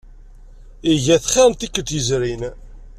Iga-t xir n tikkelt yezrin.